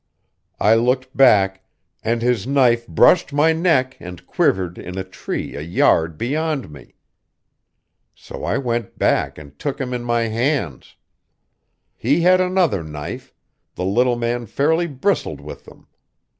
I looked back, and his knife brushed my neck and quivered in a tree a yard beyond me. So I went back and took him in my hands. He had another knife the little man fairly bristled with them.